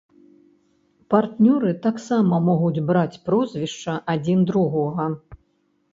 Партнёры таксама могуць браць прозвішча адзін другога.